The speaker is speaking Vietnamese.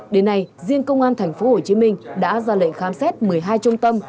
đến nay riêng công an tp hcm đã ra lệnh khám xét một mươi hai trung tâm